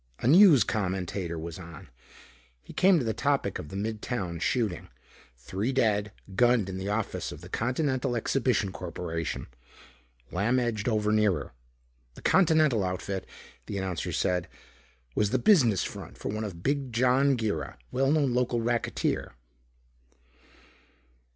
A news commentator was on. He came to the topic of the mid town shooting. Three dead, gunned in the office of the Continental Exhibition Corporation. Lamb edged over nearer. The Continental outfit, the announcer said, was the business front of one Big John Girra, well known local racketeer.